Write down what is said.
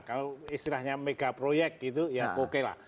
kalau istilahnya mega proyek gitu ya oke lah